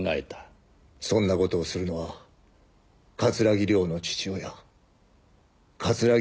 そんな事をするのは桂木涼の父親桂木